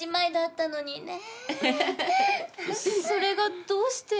それがどうして。